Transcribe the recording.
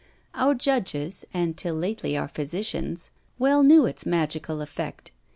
Our judges, and till lately our physicians, well knew its magical effect.